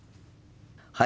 はい。